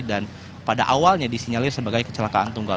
dan pada awalnya disinyalir sebagai kecelakaan tunggal